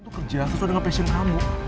itu kerja sesuai dengan passion kamu